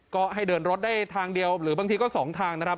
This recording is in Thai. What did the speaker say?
ก็ให้เดินรถได้ทางเดียวหรือบางทีก็๒ทางนะครับ